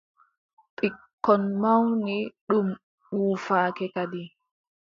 Ɓikkon mawni, ɗum wuufake kadi.